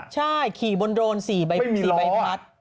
ใช่ขี่บนโดรน๔ใบพัด